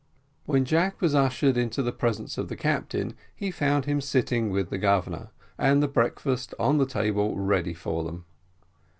When Jack was ushered into the presence of the captain, he found him sitting with the Governor, and the breakfast on the table ready for them.